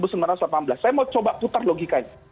saya mau coba putar logikanya